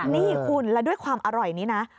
นี่คุณแล้วด้วยความอร่อยนี้นะ